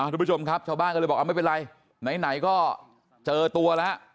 ทุกผู้ชมครับชาวบ้านก็เลยบอกไม่เป็นไรไหนก็เจอตัวแล้ว